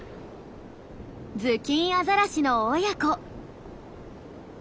ズキンアザラシの親子。